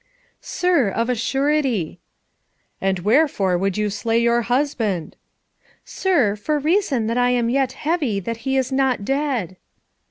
"Sir, of a surety." "And wherefore would you slay your husband?" "Sir, for reason that I am yet heavy that he is not dead."